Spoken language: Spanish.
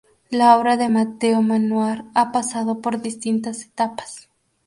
La obra de Mateo Manaure ha pasado por distintas etapas.